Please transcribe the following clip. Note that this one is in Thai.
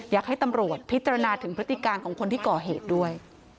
อยากให้ตำรวจพิจารณาถึงพฤติการของคนที่ก่อเหตุด้วย